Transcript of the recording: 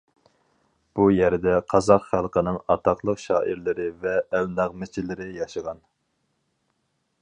بۇ يەردە قازاق خەلقىنىڭ ئاتاقلىق شائىرلىرى ۋە ئەلنەغمىچىلىرى ياشىغان.